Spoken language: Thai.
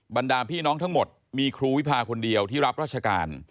ดาพี่น้องทั้งหมดมีครูวิพาคนเดียวที่รับราชการ